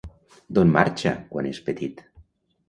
D'on marxa quan és petit?